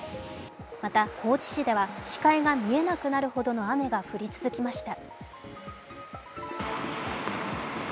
また高知市では、視界が見えなくなるほどの雨が降り続きました。